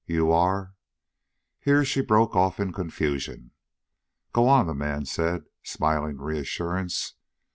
"You are.. .." Here she broke off in confusion. "Go on," the man said, smiling reassurance.